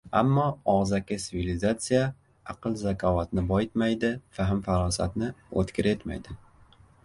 Ammo og‘zaki tsivilizatsiya… aql-zakovatni boyitmaydi, fahm-farosatni o‘tkir etmaydi.